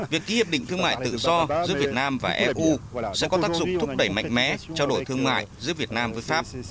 việc ký hiệp định thương mại tự do giữa việt nam và eu sẽ có tác dụng thúc đẩy mạnh mẽ trao đổi thương mại giữa việt nam với pháp